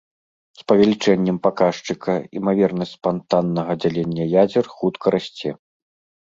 З павелічэннем паказчыка імавернасць спантаннага дзялення ядзер хутка расце.